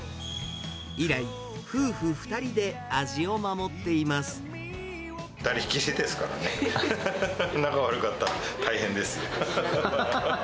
以来、夫婦２人で味を守っていま２人っきりですからね、仲悪かったら大変ですよ。